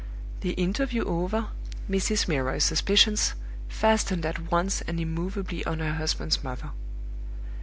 The interview over, Mrs. Milroy's suspicions fastened at once and immovably on her husband's mother.